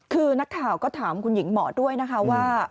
คือนักข่าวก็ถามคุณหญิงหมอด้วยนะคะว่า